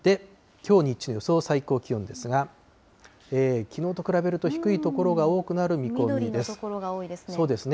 きょう日中の予想最高気温ですが、きのうと比べると、低い所が多く緑の所が多いですね。